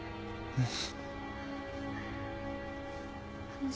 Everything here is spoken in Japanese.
うん？